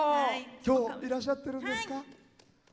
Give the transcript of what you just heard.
きょういらっしゃってるんですか。